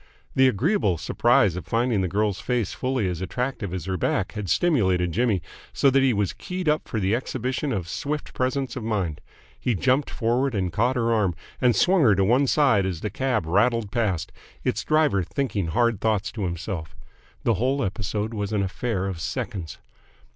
The agreeable surprise of finding the girl's face fully as attractive as her back had stimulated Jimmy, so that he was keyed up for the exhibition of swift presence of mind. He jumped forward and caught her arm, and swung her to one side as the cab rattled past, its driver thinking hard thoughts to himself. The whole episode was an affair of seconds.